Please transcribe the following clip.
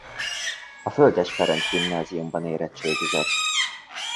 A Földes Ferenc Gimnáziumban érettségizett.